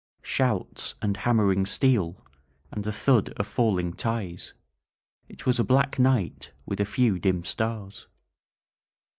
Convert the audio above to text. Shouts and hammering steel, and the thud of falling ties. ... It was a black night, with a few dim stars.